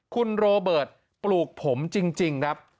คุณโรเบิร์ตปลูกผมจริงครับ